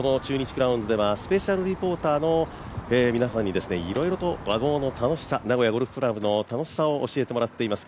クラウンズではスペシャルリポーターの皆さんにいろいろと和合の楽しさ名古屋ゴルフ倶楽部の楽しさを伝えてもらっています。